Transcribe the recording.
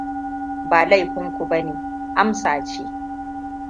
Ba laifin ku bane, Amsa ne.